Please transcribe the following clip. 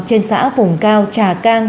trên xã vùng cao trà cang